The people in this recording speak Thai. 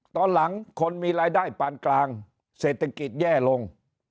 ตอนหลังคนมีรายได้ปานกลางเศรษฐกิจแย่ลง